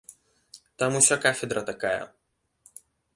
Там уся кафедра такая.